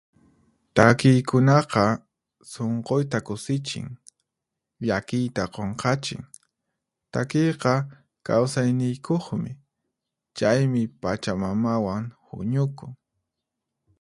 Takiykunaqa sunquyta kusichin, llakiyta qunqachin. Takiyqa kawsayniykuqmi, chaymi pachamamawan huñukun.